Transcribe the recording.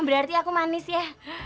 berarti aku manis ya